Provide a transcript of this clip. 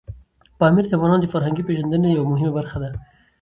پامیر د افغانانو د فرهنګي پیژندنې یوه مهمه برخه ده.